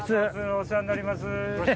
お世話になります。